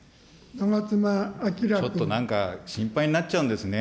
ちょっとなんか、心配になっちゃうんですね。